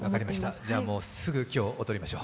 じゃあもう、今日、すぐ踊りましょう。